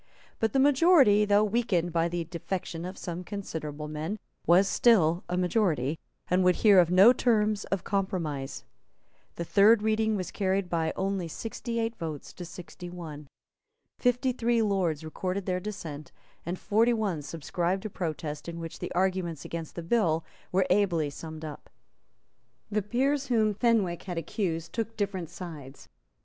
But the majority, though weakened by the defection of some considerable men, was still a majority, and would hear of no terms of compromise. The third reading was carried by only sixty eight votes to sixty one. Fifty three Lords recorded their dissent; and forty one subscribed a protest, in which the arguments against the bill were ably summed up. The peers whom Fenwick had accused took different sides.